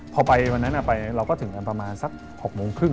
พอไปวันนั้นไปเราก็ถึงกันประมาณสัก๖โมงครึ่ง